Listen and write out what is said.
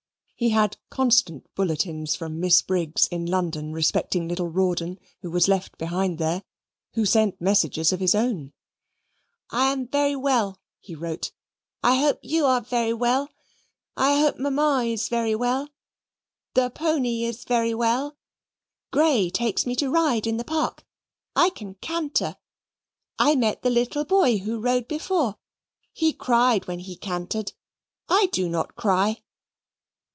He had constant bulletins from Miss Briggs in London respecting little Rawdon, who was left behind there, who sent messages of his own. "I am very well," he wrote. "I hope you are very well. I hope Mamma is very well. The pony is very well. Grey takes me to ride in the park. I can canter. I met the little boy who rode before. He cried when he cantered. I do not cry."